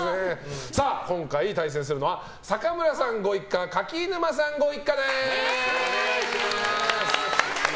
今回対戦するのは坂村さんご一家柿沼さんご一家です。